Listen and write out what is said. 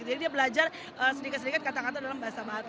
jadi dia belajar sedikit sedikit kata kata dalam bahasa batak